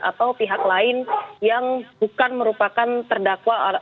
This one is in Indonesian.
atau pihak lain yang bukan merupakan terdakwa